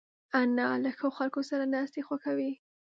انا له ښو خلکو سره ناستې خوښوي